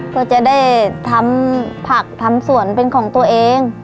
เพื่อจะได้ทำผักทำสวนเป็นของตัวเอง